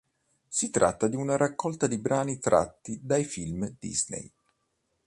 Si tratta di una raccolta di brani tratti dai film Disney.